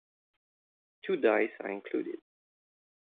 Two dice are included.